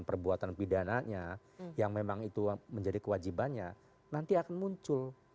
perbuatan pidananya yang memang itu menjadi kewajibannya nanti akan muncul